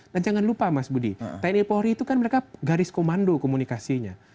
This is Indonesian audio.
dan jangan lupa mas budi tni polri itu kan mereka garis komando komunikasinya